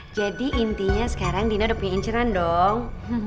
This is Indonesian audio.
jadi intinya sekarang dina udah punya inceran dong